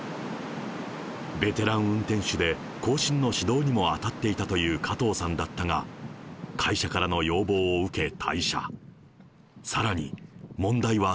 ベテラン運転手で後進の指導にも当たっていたという加藤さんだったが、会社からの要望を受け退社。